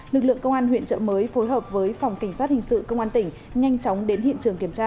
lực lượng công an huyện trợ mới phối hợp với phòng cảnh sát hình sự công an tỉnh nhanh chóng đến hiện trường kiểm tra